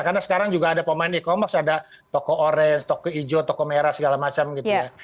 karena sekarang juga ada pemain e commerce ada toko orange toko hijau toko merah segala macam gitu ya